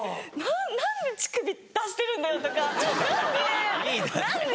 何で乳首出してるんだよ！とか何で？